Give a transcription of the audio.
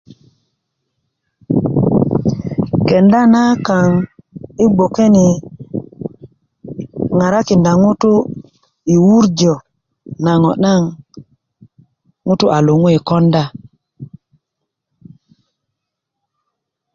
kenda na kaŋ yi gboke ni ŋarakinda ŋutu' yi wurjö na ŋo' naŋ ŋutu' a luŋu yi konda